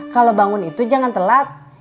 kalau bangun itu jangan telat